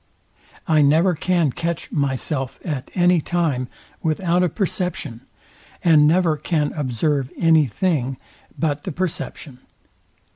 I never can catch myself at any time without a perception, and never can observe any thing but the perception.